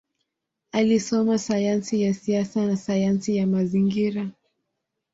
Alisoma sayansi ya siasa na sayansi ya mazingira.